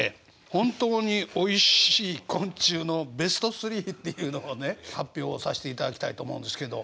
ほんとうにおいしい昆虫のベスト３っていうのをね発表させていただきたいと思うんですけど。